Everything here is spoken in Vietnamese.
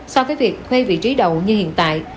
so với việc thuê vị trí đầu như hiện tại